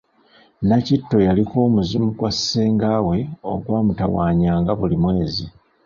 Nakitto yaliko omuzimu gwa senga we ogwa mutawaanyanga buli mwezi.